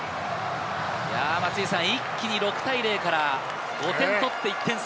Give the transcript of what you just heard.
一気に６対０から５点とって１点差。